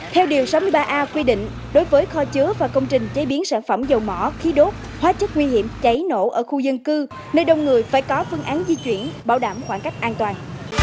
theo điều sáu mươi ba a quy định đối với kho chứa và công trình chế biến sản phẩm dầu mỏ khí đốt hóa chất nguy hiểm cháy nổ ở khu dân cư nơi đông người phải có phương án di chuyển bảo đảm khoảng cách an toàn